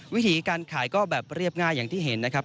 วิธีการขายก็แบบเรียบง่ายอย่างที่เห็นนะครับ